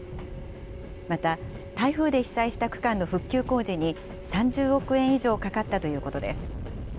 また、台風で被災した区間の復旧工事に、３０億円以上かかったということです。